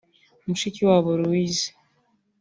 Mushikiwabo Louise